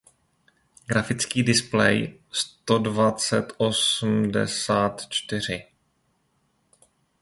Grafický displej stodvadsetosm šedesát čtyři